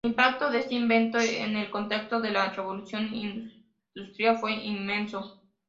El impacto de este invento, en el contexto de la Revolución industrial, fue inmenso.